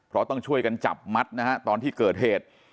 เพราะต้องช่วยกันจับมัดนะฮะตอนที่เกิดเหตุ